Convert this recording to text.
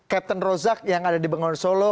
captain rozak yang ada di bengon solo